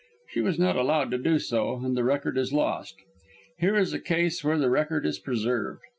She was not allowed to do so, and the record is lost. Here is a case where the record is preserved.